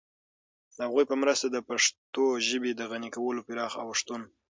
د هغوی په مرسته د پښتو ژبې د غني کولو پراخ اوښتون